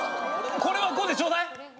これは５でちょうだい！